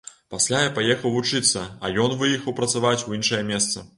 Пасля я паехаў вучыцца, а ён выехаў працаваць у іншае месца.